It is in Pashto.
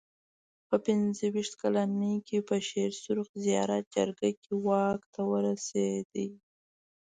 په پنځه ویشت کلنۍ کې په شېر سرخ زیارت جرګه کې واک ته ورسېد.